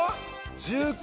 １９。